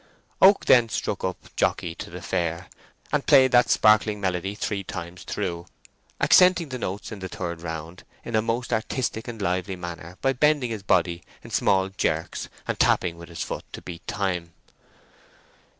Oak then struck up "Jockey to the Fair," and played that sparkling melody three times through, accenting the notes in the third round in a most artistic and lively manner by bending his body in small jerks and tapping with his foot to beat time.